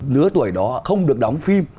nửa tuổi đó không được đóng phim